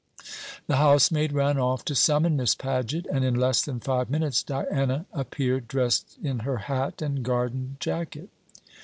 The housemaid ran off to summon Miss Paget; and in less than five minutes Diana appeared, dressed in her hat and garden jacket.